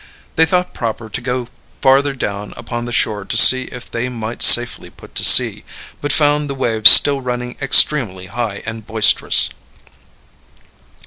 They thought proper to go farther down upon the shore to see if they might safely put to sea, but found the waves still running extremely high and boisterous.